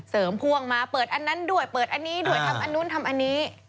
พ่วงมาเปิดอันนั้นด้วยเปิดอันนี้ด้วยทำอันนู้นทำอันนี้